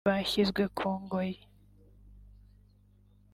bashyizwe ku ngoyi